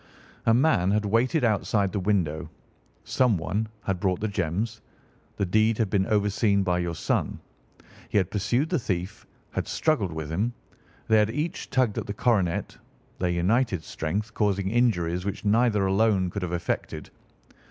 A man had waited outside the window; someone had brought the gems; the deed had been overseen by your son; he had pursued the thief; had struggled with him; they had each tugged at the coronet, their united strength causing injuries which neither alone could have effected.